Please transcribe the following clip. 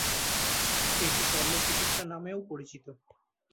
এটি শল্যচিকিৎসা নামেও পরিচিত।